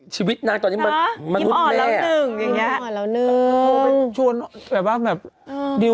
ชีวิตนางตอนนี้มันยิ้มอ่อนแล้วนึงอย่างเงี้ย